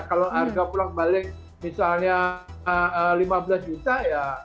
kalau harga pulang balik misalnya lima belas juta ya